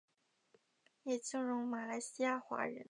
叶清荣马来西亚华人。